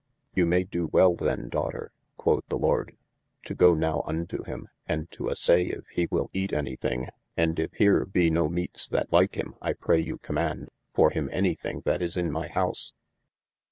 You may do wel then daughter (quod the Lord) to go now unto him, and to assay if he will eate any thing, and if here be no meates that like him, I praye you commaunde (for him) anye thing that is in my house.